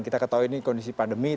kita ketahui ini kondisi pandemi